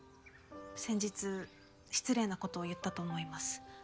先日失礼な事を言ったと思います。